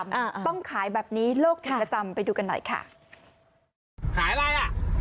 อ่าต้องขายแบบนี้โลกเป็นประจำไปดูกันหน่อยค่ะขายอะไรอ่ะ